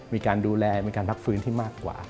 มีการดูแลมีการพักฟื้นที่มากกว่า